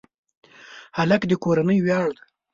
هلک د کورنۍ ویاړ دی.